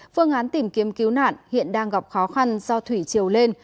phương án tìm kiếm cứu nạn hiện đang gặp khó khăn do thủy triều lên